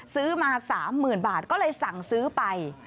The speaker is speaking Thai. ซื้อมา๓๐๐๐บาทก็เลยสั่งซื้อไป